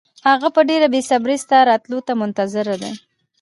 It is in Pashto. هغه په ډېره بې صبرۍ ستا راتلو ته منتظر دی.